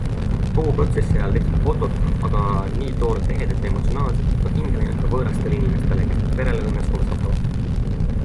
Kogu protsessi ajal tehtud fotod on aga nii toorelt ehedad ja emotsionaalsed, et on hinge läinud ka võõrastele inimestele, kes nüüd perele õnnesoove saadavad.